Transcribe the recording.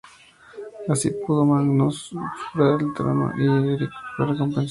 Así pudo Magnus usurpar el trono y Erik fue recompensado.